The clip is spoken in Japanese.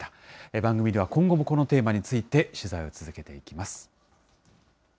番組では今後も、このテーマについて取材を続けていきます。